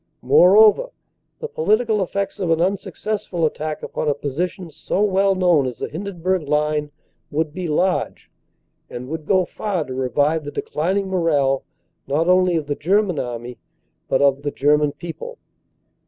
Moreover, the political effects of an unsuccessful THE PLAN OF ATTACK 207 attack upon a position so well known as the Hindenburg line would be large, and would go far to revive the declining morale not only of the German Army but of the German people.